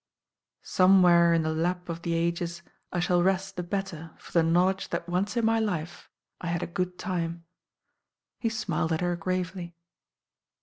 "Somewhere in the lap of the ages I shall rest the better for the knowledge that once in my life I had a good time." He smiled at her gravely.